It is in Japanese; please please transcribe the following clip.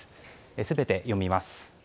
全て読みます。